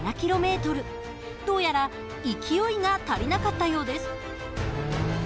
どうやら勢いが足りなかったようです。